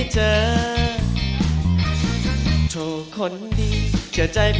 ขอบคุณครับ